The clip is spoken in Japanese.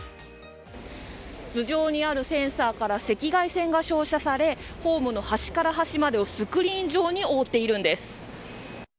頭上にあるセンサーから赤外線が照射されホームの端から端までをスクリーン上に覆っているんです。